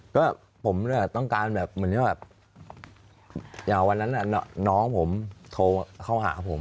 ก็ผมต้องการแบบเหมือนที่แบบอย่างวันนั้นน้องผมโทรเข้าหาผม